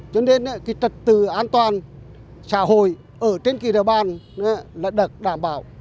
cho nên trật tự an toàn xã hội ở trên kỳ địa bàn được đảm bảo